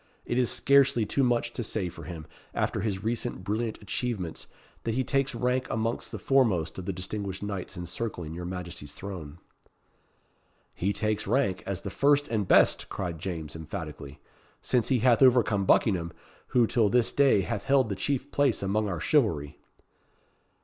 It is scarcely too much to say for him, after his recent brilliant achievements, that he takes rank amongst the foremost of the distinguished knights encircling your Majesty's throne." "He takes rank as the first and best," cried James, emphatically; "since he hath overcome Buckingham, who till this day hath held the chief place among our chivalry."